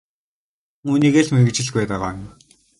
Үүнийгээ л мэргэжил гээд байгаа юм.